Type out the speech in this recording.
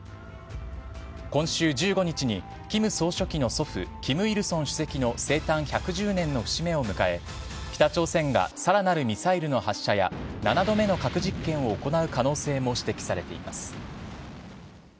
今週１５日に、キム総書記の祖父、キム・イルソン主席の生誕１１０年の節目を迎え、北朝鮮がさらなるミサイルの発射や７度目の核実験を行う可能性も指摘されています。